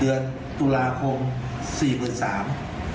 เดือนตุลาคม๔๓